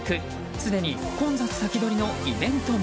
すでに混雑先取りのイベントも。